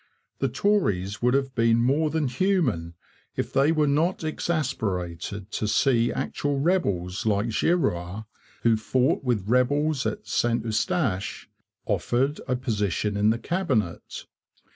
The Tories would have been more than human if they were not exasperated to see actual rebels like Girouard, who fought with rebels at St Eustache, offered a position in the Cabinet.